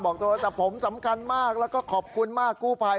โทรศัพท์ผมสำคัญมากแล้วก็ขอบคุณมากกู้ภัย